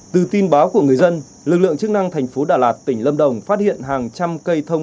từ tin báo của người dân lực lượng chức năng thành phố đà lạt tỉnh lâm đồng phát hiện hàng trăm cây thông